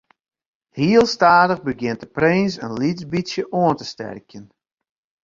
Heel stadich begjint de prins in lyts bytsje oan te sterkjen.